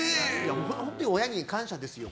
本当に親に感謝ですよ。